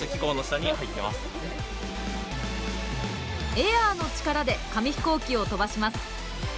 エアの力で紙ヒコーキを飛ばします。